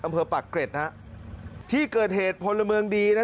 อำเภอปักเกร็ดนะฮะที่เกิดเหตุพลเมืองดีนะ